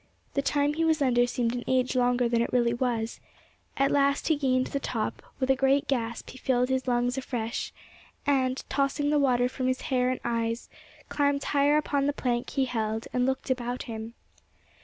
The time he was under seemed an age longer than it really was; at last he gained the top; with a great gasp he filled his lungs afresh, and, tossing the water from his hair and eyes, climbed higher upon the plank he held, and looked about him.